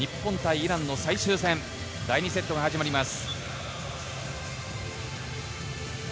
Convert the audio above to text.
イランの最終戦、第２セットが始まります。